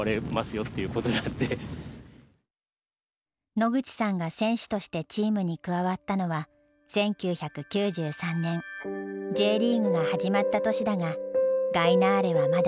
野口さんが選手としてチームに加わったのは１９９３年Ｊリーグが始まった年だがガイナーレはまだアマチュア。